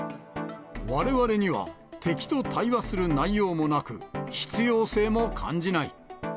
われわれには敵と対話する内容もなく、必要性も感じない。